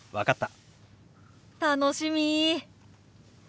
楽しみ。